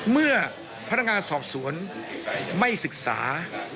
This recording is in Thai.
เมื่อพนักงานสอบสวนไม่ศึกษา